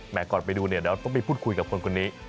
ก่อนไปดูเนี่ยเดี๋ยวต้องไปพูดคุยกับคนคนนี้